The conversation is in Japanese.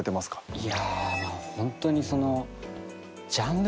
いやまあホントにその。